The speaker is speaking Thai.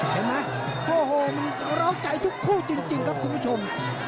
เห็นไหมโอ้โหมันร้าวใจทุกคู่จริงครับคุณผู้ชม